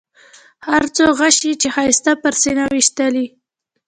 هر څو غشي چې ښایسته پر سینه ویشتلي.